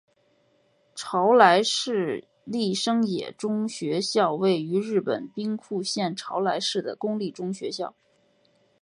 朝来市立生野中学校位于日本兵库县朝来市的公立中学校。